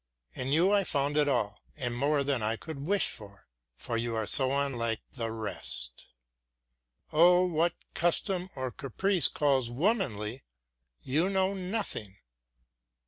In you I found it all, and more than I could wish for; but you are so unlike the rest. Of what custom or caprice calls womanly, you know nothing.